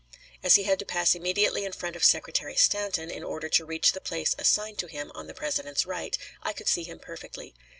As he had to pass immediately in front of Secretary Stanton in order to reach the place assigned to him on the President's right, I could see him perfectly.